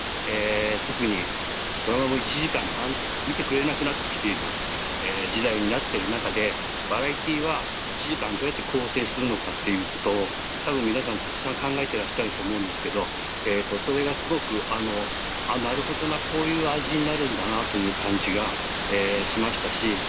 特にドラマも１時間見てくれなくなって来ている時代になってる中でバラエティーは１時間どうやって構成するのかっていうことを多分皆さんたくさん考えてらっしゃると思うんですけどそれがすごくなるほどなこういう味になるんだなという感じがしましたし。